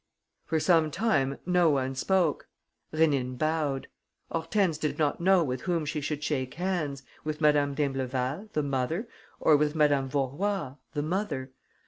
For some time no one spoke. Rénine bowed. Hortense did not know with whom she should shake hands, with Madame d'Imbleval, the mother, or with Madame Vaurois, the mother.